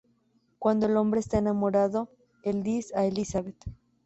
Cuando el hombre está enamorado el diz a Elisabeth.